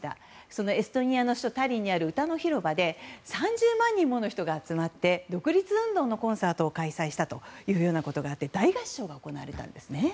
そのエストニアの首都タリンにある歌の広場に３０万人もの人が集まり独立運動のコンサートを開催したということがあって大合唱が行われたんですね。